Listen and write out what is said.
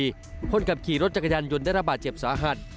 คนขับขี่รถจักรยานยนต์ได้ระบาดเจ็บสาหัส